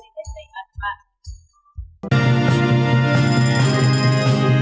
cho đến tết đầy an toàn